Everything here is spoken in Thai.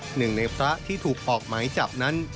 หนึ่งในพระที่ถูกออกหมายจับนั้น